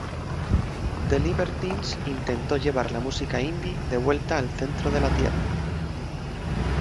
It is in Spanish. The Libertines intentó llevar la música Indie de vuelta al centro de la tierra.